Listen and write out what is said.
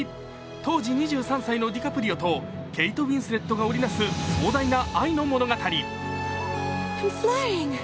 当時２３歳のディカプリオとケイト・ウィンスレットが織りなす壮大な愛の物語。